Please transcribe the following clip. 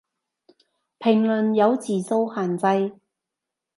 評論有字數限制